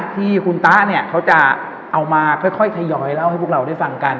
ที่คุณตะเนี่ยเขาจะเอามาค่อยทยอยเล่าให้พวกเราได้ฟังกัน